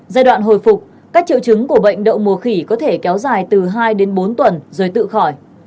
giai đoạn hồi phục các triệu chứng của bệnh đậu mùa khỉ có thể kéo dài từ hai đến bốn tuần rồi tự khỏi